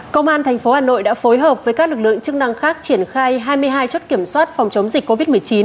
công an tp hà nội đã phối hợp với các lực lượng chức năng khác triển khai hai mươi hai chốt kiểm soát phòng chống dịch covid một mươi chín